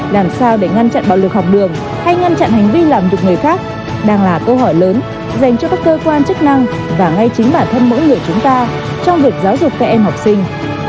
làm sao để ngăn chặn bạo lực học đường hay ngăn chặn hành vi làm được người khác đang là câu hỏi lớn dành cho các cơ quan chức năng và ngay chính bản thân mỗi người chúng ta trong việc giáo dục các em học sinh